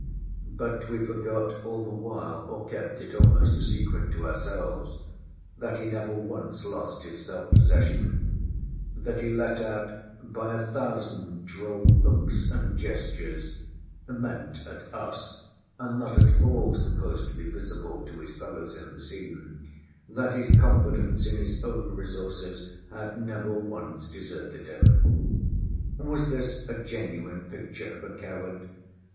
But we forgot all the while—or kept it almost a secret to ourselves—that he never once lost his self possession; that he let out by a thousand droll looks and gestures—meant at us, and not at all supposed to be visible to his fellows in the scene, that his confidence in his own resources had never once deserted him. Was this a genuine picture of a coward?